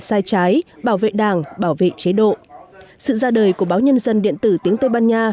sai trái bảo vệ đảng bảo vệ chế độ sự ra đời của báo nhân dân điện tử tiếng tây ban nha